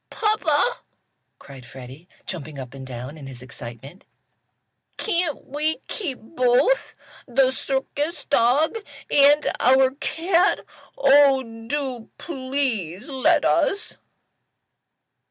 "Papa!" cried Freddie, jumping up and down in his excitement, "can't we keep both the circus dog and our cat? Oh, do please, let us."